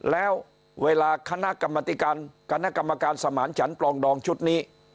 แล้วเวลาคณะกรรมติการคณะกรรมการสมานฉันปลองดองชุดนี้